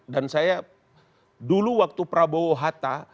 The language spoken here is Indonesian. dan saya dulu waktu prabowo hatta